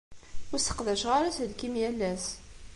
Ur sseqdaceɣ ara aselkim yal ass.